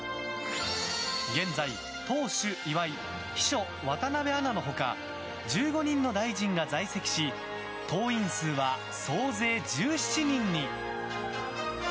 現在、党首・岩井秘書・渡邊アナの他１５人の大臣が在籍し党員数は総勢１７人に。